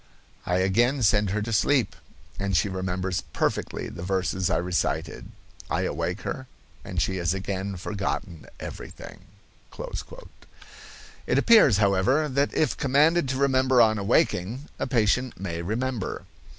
I again send her to sleep, and she remembers perfectly the verses I recited. I awake her, and she has again forgotten everything." It appears, however, that if commanded to remember on awaking, a patient may remember.